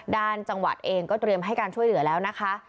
จังหวัดเองก็เตรียมให้การช่วยเหลือแล้วนะคะ